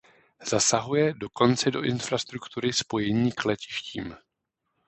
Zasahuje dokonce do infrastruktury spojení k letištím.